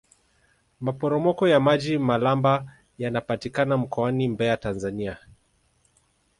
maporomoko ya maji malamba yanapatikana mkoani mbeya tanzania